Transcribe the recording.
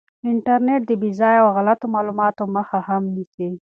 انټرنیټ د بې ځایه او غلطو معلوماتو مخه هم نیسي.